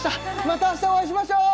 また明日お会いしましょう